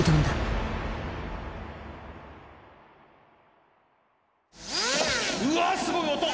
うわすごい音！